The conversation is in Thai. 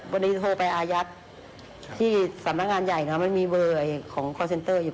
วันนี้โทรไปอายัดที่สำนักงานใหญ่นะไม่มีเบอร์ของคอร์เซ็นเตอร์อยู่